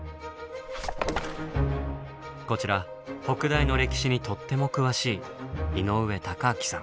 こちら北大の歴史にとっても詳しい井上高聡さん。